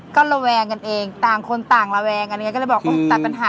ก็ระแวงกันเองต่างคนต่างระแวงกันเองก็เลยบอกตัดปัญหาดีกว่า